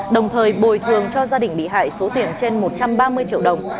đồng thời bồi thường cho gia đình bị hại số tiền trên một trăm ba mươi triệu đồng